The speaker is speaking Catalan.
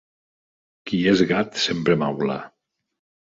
Qui és gat sempre maula.